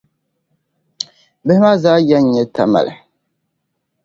Bihi maa zaa ya n-nyɛ Tamale.